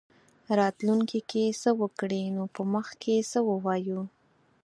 راتلونکې کې څه وکړي نو په مخ کې څه ووایو.